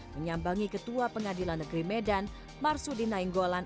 menyambangi ketua pengadilan negeri medan marsudi nainggolan